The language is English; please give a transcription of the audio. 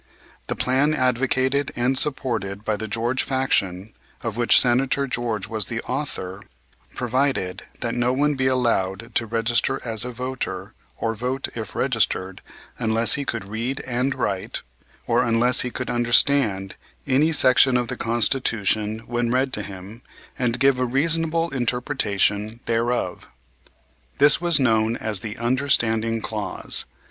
The plan advocated and supported by the George faction, of which Senator George was the author, provided that no one be allowed to register as a voter, or vote if registered, unless he could read and write, or unless he could understand any section of the Constitution when read to him and give a reasonable interpretation thereof. This was known as the "understanding clause."